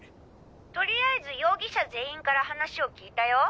とりあえず容疑者全員から話を聞いたよ。